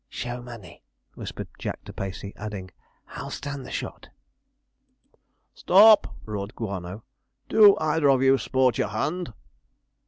Show money,' whispered Jack to Pacey, adding, 'I'll stand the shot.' 'Stop!' roared Guano, 'do either of you sport your hand?'